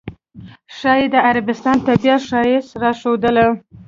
ښایي د عربستان طبیعت ښایست یې راښودله.